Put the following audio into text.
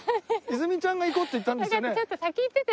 泉ちゃんが行こうって言ったんですよね？